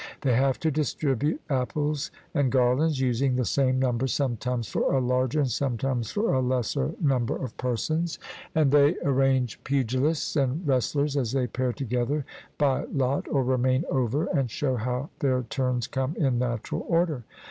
They have to distribute apples and garlands, using the same number sometimes for a larger and sometimes for a lesser number of persons; and they arrange pugilists and wrestlers as they pair together by lot or remain over, and show how their turns come in natural order.